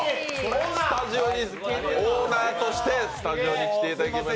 オーナーとしてスタジオに来ていただきました。